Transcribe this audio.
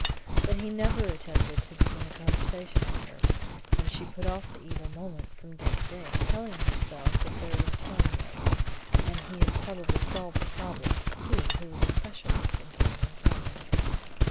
But he never attempted to begin a conversation with her, and she put off the evil moment from day to day, telling herself that there was time yet, and he had probably solved the problem he, who was a specialist in solving problems.